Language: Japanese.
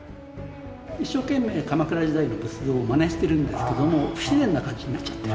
一生懸命鎌倉時代の仏像をマネしてるんですけども不自然な感じになっちゃってる。